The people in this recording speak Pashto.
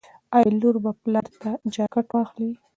ایا لور به پلار ته جاکټ واخلي؟